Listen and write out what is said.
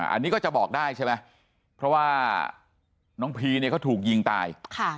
อันนี้ก็จะบอกได้ใช่ไหมเพราะว่าน้องพีเนี่ยเขาถูกยิงตาย